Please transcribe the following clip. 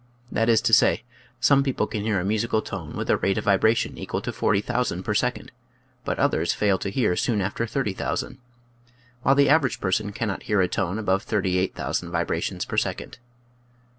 That is to say, some people can hear a musical tone with a rate of vibration equal to 40,000 per second, but others fail to hear soon after 30,000, while the average person cannot hear a tone above 38,000 vibrations per second.